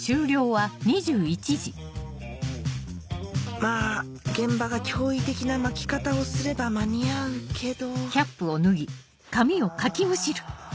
まぁ現場が驚異的な巻き方をすれば間に合うけどあぁ。